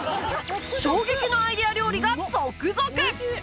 衝撃のアイデア料理が続々！